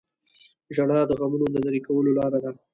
• ژړا د غمونو د لرې کولو لاره ده.